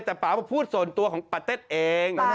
แต่ป๊าบอกปูศน์ตัวของปาเต็ดเอง